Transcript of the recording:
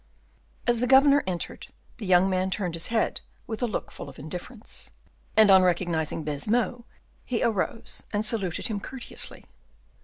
As the governor entered, the young man turned his head with a look full of indifference; and on recognizing Baisemeaux, he arose and saluted him courteously.